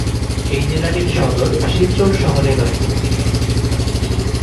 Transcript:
এই জেলাটির সদর শিলচর শহরে রয়েছে।